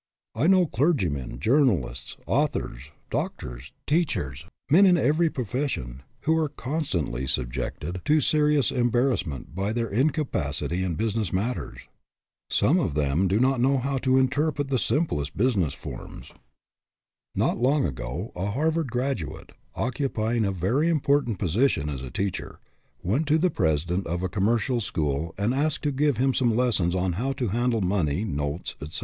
I know clergymen, journalists, authors, doctors, teachers, men in every profession, who are constantly subjected to serious em i86 HAD MONEY BUT LOST IT barrassment by their incapacity in business matters. Some of them do not know how to interpret the simplest business forms. Not long ago, a Harvard graduate, occupy ing a very important position as a teacher, went to the president of a commercial school and asked him to give him some lessons on how to handle money, notes, etc.